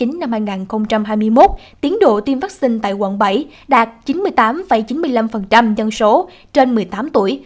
tính đến ngày hai mươi bốn tháng chín năm hai nghìn hai mươi một tiến độ tiêm vaccine tại quận bảy đạt chín mươi tám chín mươi năm dân số trên một mươi tám tuổi